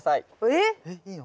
えっいいの？